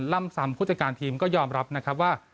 ล่ำซำผู้จัดการทีมก็ยอมรับนะครับว่า